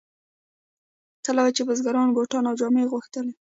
کله به چې بزګرانو بوټان او جامې غوښتلې.